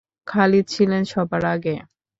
খালিদ ছিলেন সবার আগে।